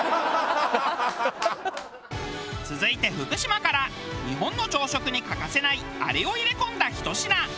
続いて福島から日本の朝食に欠かせないあれを入れ込んだひと品。